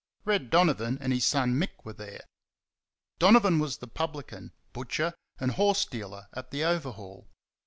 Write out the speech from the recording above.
Red Donovan and his son, Mick, were there. Donovan was the publican, butcher, and horse dealer at the Overhaul.